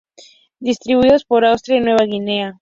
Distribuidos por Australia y Nueva Guinea.